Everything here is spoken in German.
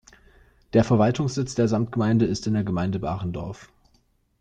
Der Verwaltungssitz der Samtgemeinde ist in der Gemeinde Barendorf.